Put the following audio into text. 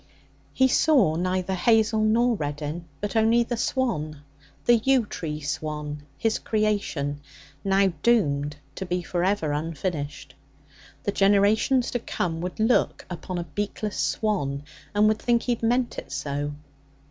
He saw neither Hazel nor Reddin, but only the swan, the yew tree swan, his creation, now doomed to be for ever unfinished. The generations to come would look upon a beakless swan, and would think he had meant it so.